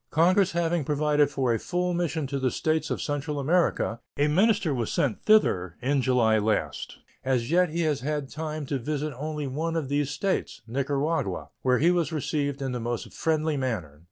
Congress having provided for a full mission to the States of Central America, a minister was sent thither in July last. As yet he has had time to visit only one of these States (Nicaragua), where he was received in the most friendly manner.